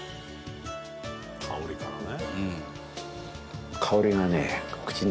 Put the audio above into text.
「香りからね」